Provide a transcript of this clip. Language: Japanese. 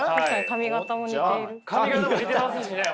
髪形も似てますしね！